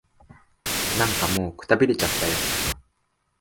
なんかもう、くたびれちゃったよ。